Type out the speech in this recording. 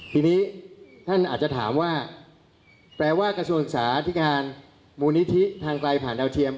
ทีนี้ท่านอาจจะถามว่าแปลว่ากระทรวงศึกษาธิการมูลนิธิทางไกลผ่านดาวเทียม